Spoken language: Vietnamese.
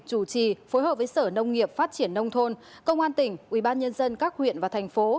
chủ trì phối hợp với sở nông nghiệp phát triển nông thôn công an tỉnh ubnd các huyện và thành phố